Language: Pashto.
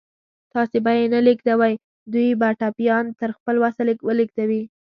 تاسې به یې نه لېږدوئ، دوی به ټپيان تر خپل وسه ولېږدوي.